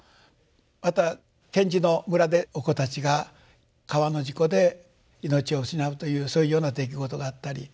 また賢治の村でお子たちが川の事故で命を失うというそういうような出来事があったり。